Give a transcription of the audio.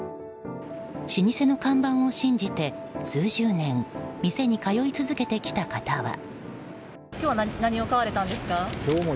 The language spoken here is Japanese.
老舗の看板を信じて数十年、店に通い続けてきた方は。